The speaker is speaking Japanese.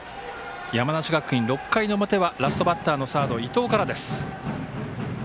山梨学院、６回の表はラストバッターのサード伊藤からです。